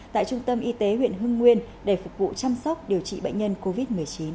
tại trung tâm y tế huyện hưng nguyên để phục vụ chăm sóc điều trị bệnh nhân covid một mươi chín